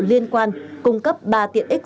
liên quan cung cấp ba tiện ích